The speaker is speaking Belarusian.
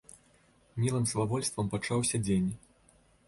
Мілым свавольствам пачаўся дзень.